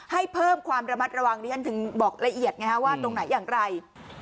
ให้เพิ่มความระมัดระวังดิฉันถึงบอกละเอียดไงฮะว่าตรงไหนอย่างไร